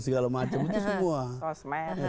segala macam itu semua